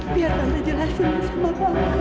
biar tante jelasin lagi sama paufan